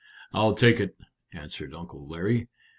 "I'll take it," answered Uncle Larry.